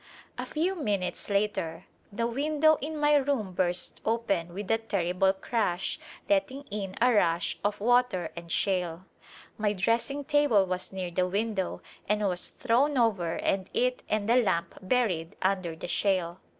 A 'i^vi minutes later the window in my room burst open with a ter rible crash letting in a rush of water and shale. My dressing table was near the window and was thrown over and it and the lamp buried under the shale.